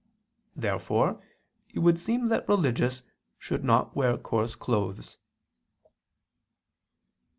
Therefore it would seem that religious should not wear coarse clothes.